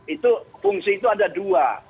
itu fungsi itu ada dua